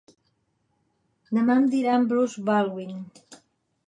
Demà em diran Bruce Baldwin.